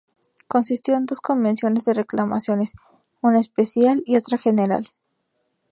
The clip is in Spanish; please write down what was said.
Consistió en dos Convenciones de Reclamaciones, una Especial y otra General.